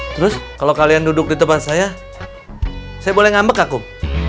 terus kalau kalian duduk di tempat saya saya boleh ngambek aku